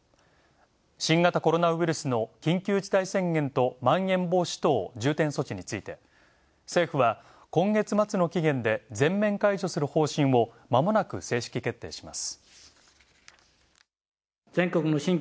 新型コロナウイルスの緊急事態宣言とまん延防止等重点措置について政府は今月末の期限で全面解除する方針を間もなく正式決定します。